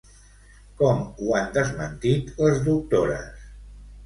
Com ho han desmentit les doctores?